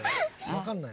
わかんない。